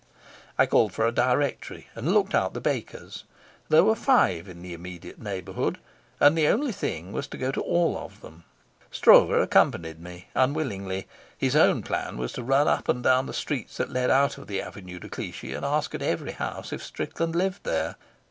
I called for a directory and looked out the bakers. There were five in the immediate neighbourhood, and the only thing was to go to all of them. Stroeve accompanied me unwillingly. His own plan was to run up and down the streets that led out of the Avenue de Clichy and ask at every house if Strickland lived there.